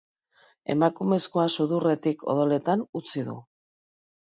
Emakumezkoa sudurretik odoletan utzi du.